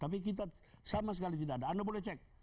tapi kita sama sekali tidak ada anda boleh cek